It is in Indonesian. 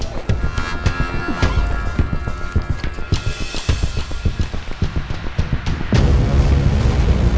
kayaknya terakhir aku lihat aku